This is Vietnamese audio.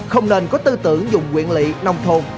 không nên có tư tưởng dùng nguyện lị nông thôn